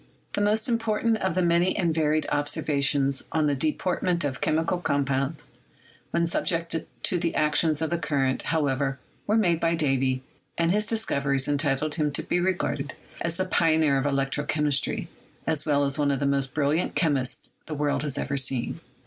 The most important of the many and varied observations on the deportment of chemical compounds when subjected to the action of the current, however, were made by Davy, and his discoveries entitle him to be re garded as the pioneer of electrochemistry, as well as one of the most brilliant chemists the world has ever seen.